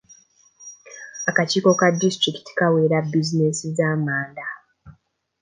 Akakiiko ka disitulikiti kaawera buzinensi z'amanda.